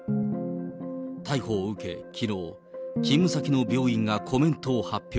逮捕を受け、きのう、勤務先の病院がコメントを発表。